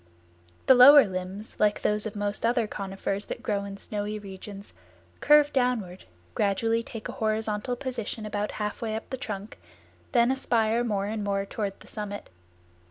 The lower limbs, like those of most other conifers that grow in snowy regions, curve downward, gradually take a horizontal position about half way up the trunk, then aspire more and more toward the summit.